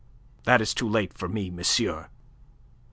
"That is too late for me, monsieur."